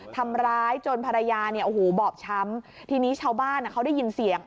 ทำร้ายจนภรรยาเนี่ยโอ้โหบอบช้ำทีนี้ชาวบ้านอ่ะเขาได้ยินเสียง